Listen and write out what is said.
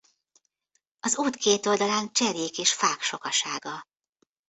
Az út két oldalán cserjék és fák sokasága.